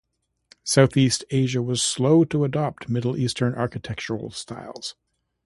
Southeast Asia was slow to adopt Middle Eastern architectural styles.